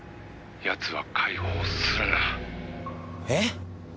「奴は解放するな」えっ！？